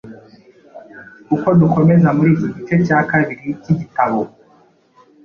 Uko dukomeza muri iki gice cya kabiri cy’igitabo,